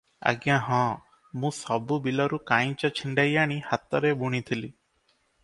ଆଜ୍ଞା ହଁ- ମୁଁ ସବୁ ବିଲରୁ କାଂଇଚ ଛିଣ୍ଡାଇ ଆଣି ହାତରେ ବୁଣିଥିଲି ।